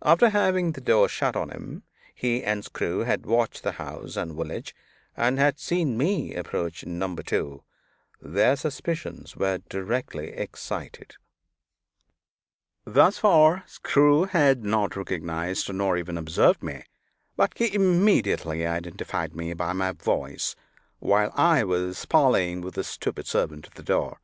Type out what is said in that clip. After having the door shut on him, he and Screw had watched the house and village, and had seen me approach Number Two. Their suspicions were directly excited. Thus far, Screw had not recognized, nor even observed me; but he immediately identified me by my voice, while I was parleying with the stupid servant at the door.